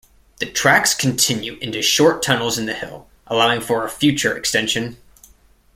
The tracks continue into short tunnels in the hill, allowing for a future extension.